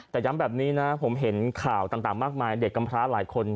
แต่ย้ำแบบนี้นะผมเห็นข่าวต่างมากมายเด็กกำพร้าหลายคน